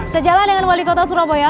sejalan dengan wali kota surabaya